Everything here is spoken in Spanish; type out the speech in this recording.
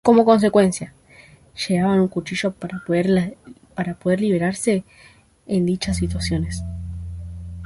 Como consecuencia llevaban un cuchillo para poder liberarse en dichas situaciones.